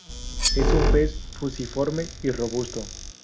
Es un pez fusiforme y robusto.